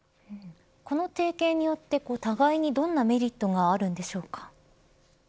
この提携によって、互いにどんなメリットがあるんでしょうか。